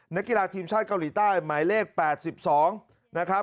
นักกีฬาทีมชาติเกาหลีใต้หมายเลข๘๒นะครับ